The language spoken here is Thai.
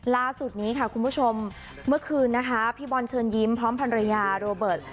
ล่าสุดนี้ค่ะคุณผู้ชมเมื่อคืนนะคะพี่บอลเชิญยิ้มพร้อมภรรยาโรเบิร์ต